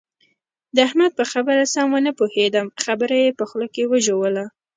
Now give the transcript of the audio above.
د احمد په خبره سم و نه پوهېدم؛ خبره يې په خوله کې وژوله.